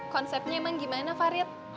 konsepnya emang gimana farid